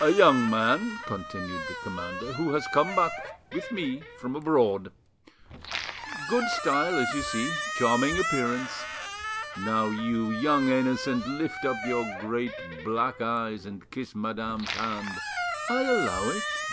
"A young man," continued the commander, "who has come back with me from abroad. Good style, as you see, charming appearance. Now, you young innocent, lift up your great black eyes and kiss madame's hand; I allow it."